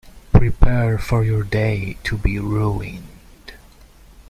Prepare for your day to be ruined.